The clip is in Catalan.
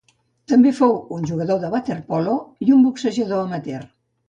També fou un bon jugador de waterpolo i un boxejador amateur.